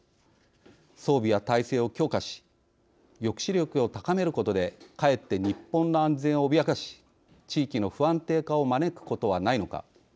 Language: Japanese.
装備や体制を強化し抑止力を高めることでかえって日本の安全を脅かし地域の不安定化を招くことはないのか。